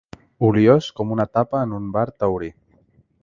Oliós com una tapa en un bar taurí.